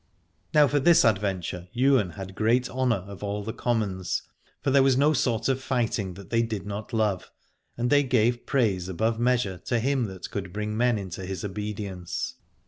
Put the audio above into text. Now for this adventure Ywain had great honour of all the commons, for there was no sort of fighting that they did not love, and they gave praise above measure to him that could bring men into his obedience.